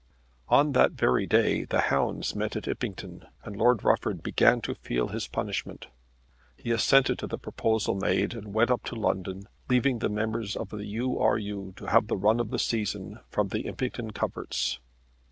On that very day the hounds met at Impington and Lord Rufford began to feel his punishment. He assented to the proposal made and went up to London, leaving the members of the U. R. U. to have the run of the season from the Impington coverts.